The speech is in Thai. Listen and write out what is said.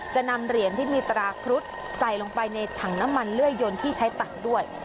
จะนำเหรียญที่มีตราครุฑใส่ลงไปในถังน้ำมันเลื่อยยนที่ใช้ตักด้วย